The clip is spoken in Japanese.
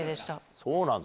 そうなんだ。